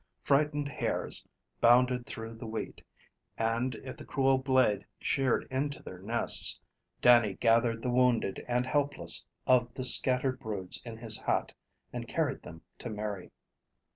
Frightened hares bounded through the wheat, and if the cruel blade sheared into their nests, Dannie gathered the wounded and helpless of the scattered broods in his hat, and carried them to Mary.